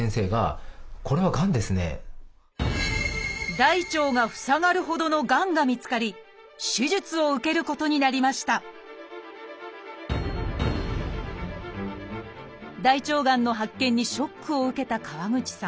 大腸が塞がるほどのがんが見つかり手術を受けることになりました大腸がんの発見にショックを受けた川口さん。